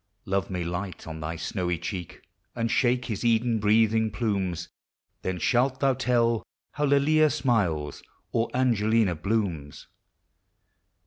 Love may light on thy snowy cheek, And shake his Eden breathing plumes; Then shalt thou tell how Lelia smiles, Or Angelina blooms.